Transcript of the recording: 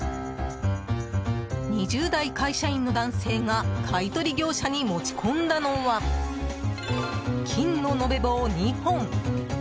２０代会社員の男性が買い取り業者に持ち込んだのは金の延べ棒２本。